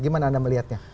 gimana anda melihatnya